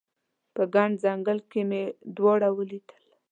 په ګڼ ځنګل کې مې دواړه ولیدل